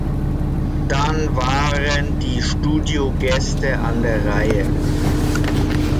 Dann waren die Studiogäste an der Reihe.